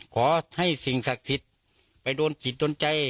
ขอให้สิ่งศักดิ์สิทธิ์ไปโดนจิตโดนใจ